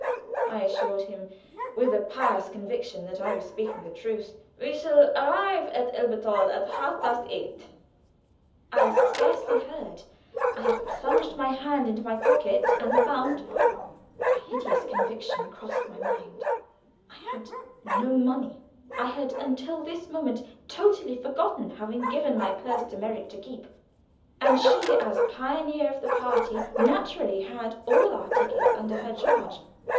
I assured him, with a pious conviction that I was speaking the truth. "We shall arrive at Elberthal about half past eight." I scarcely heard. I had plunged my hand into my pocket, and found a hideous conviction crossed my mind I had no money! I had until this moment totally forgotten having given my purse to Merrick to keep; and she, as pioneer of the party, naturally had all our tickets under her charge.